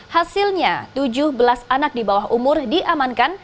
hasilnya tujuh belas anak di bawah umur diamankan